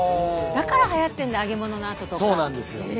だからはやってるんだ揚げ物のあととか。